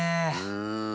うん。